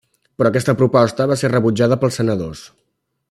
Però aquesta proposta va ser rebutjada pels senadors.